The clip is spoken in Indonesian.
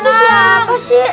itu siapa sih